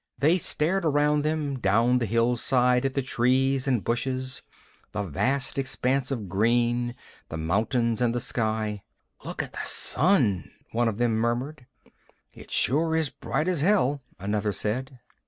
They stared around them, down the hillside at the trees and bushes, the vast expanse of green, the mountains and the sky. "Look at the Sun," one of them murmured. "It sure is bright as hell," another said.